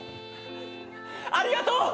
ありがとう！